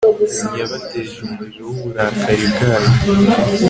yabateje umuriro w'uburakari bwayo